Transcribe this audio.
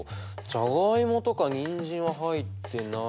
じゃがいもとかにんじんは入ってないし。